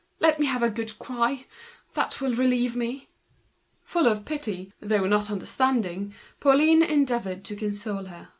Let me have a good cry, that will relieve me." Full of pity, though not understanding, Pauline endeavoured to console her.